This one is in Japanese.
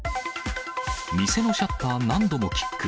店のシャッター何度もキック。